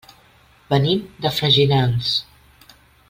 Venim de Freginals.